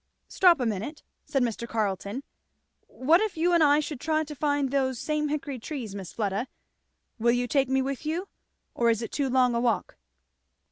"Stop a minute," said Mr. Carleton. "What if you and I should try to find those same hickory trees, Miss Fleda? Will you take me with you? or is it too long a walk?"